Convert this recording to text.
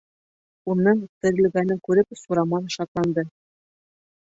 Уның терелгәнен күреп Сураман шатланды.